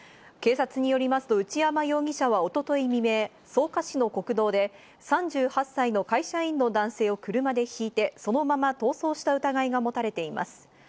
警察によりますと内山容疑者は、一昨日未明、草加市の国道で３８歳の会社員の男性を車でひいて、そのまま逃走した疑いが持たれています。